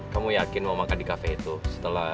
kamu yakin mau makan di kafe itu setelah